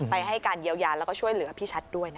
ไปให้การเยียวยานแล้วก็ช่วยเหลือพิชัตริย์ด้วย